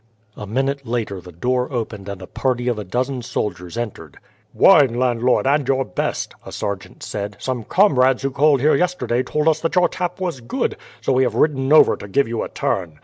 A minute later the door opened and a party of a dozen soldiers entered. "Wine, landlord! and your best!" a sergeant said. "Some comrades who called here yesterday told us that your tap was good, so we have ridden over to give you a turn."